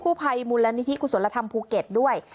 ภัยมูลนิธิกุศลธรรมภูเก็ตด้วย